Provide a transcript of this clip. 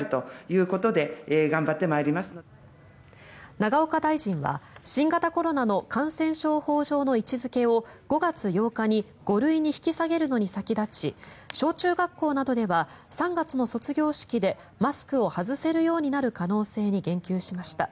永岡大臣は新型コロナの感染症法上の位置付けを５月８日に５類に引き下げるのに先立ち小中学校などでは３月の卒業式でマスクを外せるようになる可能性について言及しました。